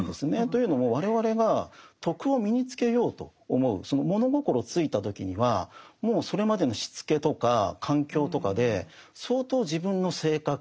というのも我々が「徳」を身につけようと思うその物心ついた時にはもうそれまでのしつけとか環境とかで相当自分の性格